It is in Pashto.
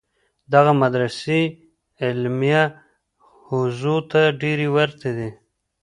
دغه مدرسې علمیه حوزو ته ډېرې ورته دي.